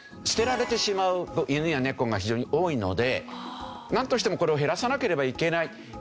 捨てられてしまう犬や猫が非常に多いのでなんとしてもこれを減らさなければいけない。